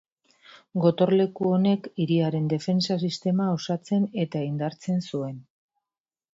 Gotorleku honek hiriaren defentsa sistema osatzen eta indartzen zuen.